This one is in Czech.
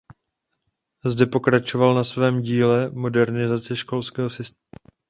Zde pokračoval na svém díle modernizace školského systému.